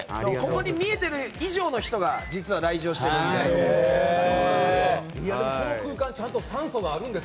ここに見えている以上の人が実は来場しているので。